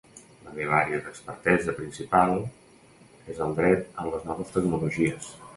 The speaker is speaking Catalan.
La meva àrea d’expertesa principal és el dret en les noves tecnologies.